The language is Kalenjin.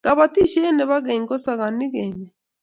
Kobotishe ne bo keny kosagonik emet.